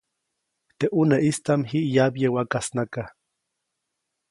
Teʼ ʼuneʼistaʼm jiʼ yabye wakasnaka.